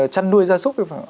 chăn nuôi gia súc